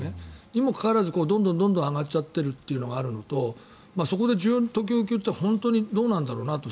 にもかかわらずどんどん上がっちゃっているというのがあるのとそこで需要と供給ってどうなんだろうなと。